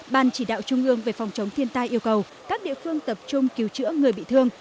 ban chỉ đạo trung ương về phòng chống thiên tai yêu cầu các địa phương tập trung cứu chữa người bị thương